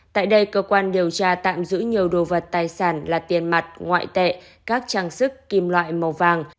tại đây cơ quan điều tra tạm giữ nhiều đồ vật tài sản là tiền mặt ngoại tệ các trang sức kim loại màu vàng